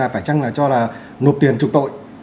phải chăng là cho là nộp tiền trục tội